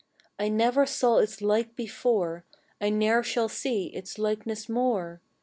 I never saw its like before, I ne'er shall see its likeness more.